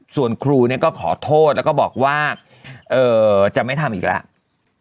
ส่วนครูก็ขอโทษแล้วก็บอกว่าจะไม่ทำอีกแล้ว